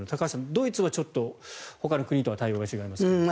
ドイツはちょっとほかの国とは対応が違いますが。